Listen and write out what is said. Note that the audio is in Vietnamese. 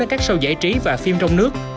đến các show giải trí và phim trong nước